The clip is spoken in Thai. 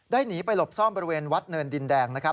หนีไปหลบซ่อนบริเวณวัดเนินดินแดงนะครับ